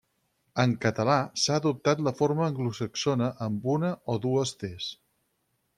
En català s'ha adoptat la forma anglosaxona amb una o dues tes.